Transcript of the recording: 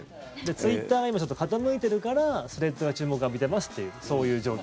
ツイッターが今ちょっと傾いているからスレッズが注目を浴びていますっていう、そういう状況。